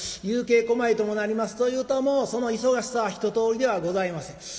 夕景小前ともなりますというともうその忙しさは一とおりではございません。